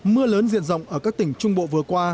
mưa lớn diện rộng ở các tỉnh trung bộ vừa qua